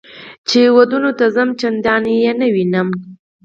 چې ودونو ته ځم چندان یې نه وینم.